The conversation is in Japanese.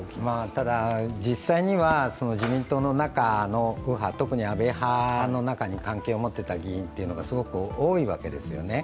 ただ実際には自民党の中の右派、特に安倍派と関係を持っていた議員というのはすごく多いわけですよね。